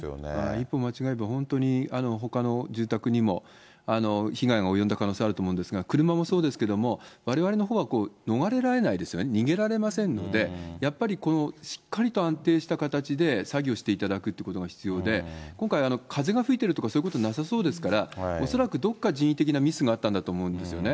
一歩間違えば、本当にほかの住宅にも被害が及んだ可能性あると思うんですが、車もそうですけれども、われわれのほうは逃れられないですよね、逃げられませんので、やはりしっかりと安定した形で作業していただくっていうことが必要で、今回、風が吹いてるとか、そういうことなさそうですから、恐らくどこか人為的なミスがあったと思うんですよね。